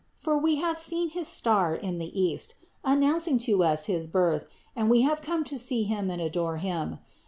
For we have seen his star in the East, announcing to us his Birth and we have come to see Him and adore Him.